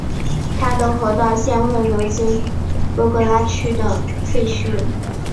它的河道现会流经博格拉区内的废墟。